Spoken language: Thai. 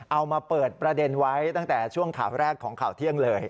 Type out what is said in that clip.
เอามาเปิดประเด็นไว้ตั้งแต่ช่วงข่าวแรกของข่าวเที่ยงเลย